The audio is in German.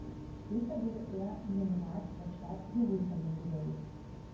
Später wurde er in den Rat der Stadt Jerusalem gewählt.